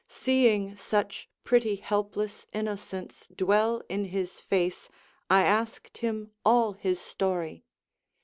Seeing such pretty helpless innocence Dwell in his face, I asked him all his story.